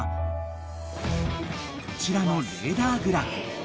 ［こちらのレーダーグラフ］